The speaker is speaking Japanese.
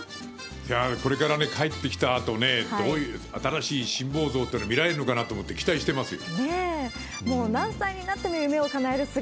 いやー、これから帰ってきたあとね、どういう、新しい辛坊像というのが見られるのかなと思って期待してますよ。